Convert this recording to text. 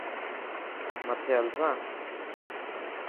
مٿي هلسان.